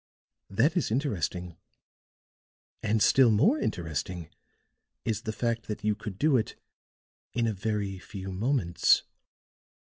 That is interesting. And still more interesting is the fact that you could do it in a very few moments."